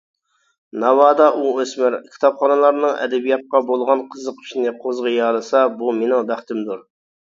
ناۋادا ئۇ ئۆسمۈر كىتابخانلارنىڭ ئەدەبىياتقا بولغان قىزىقىشىنى قوزغىيالىسا، بۇ مېنىڭ بەختىمدۇر.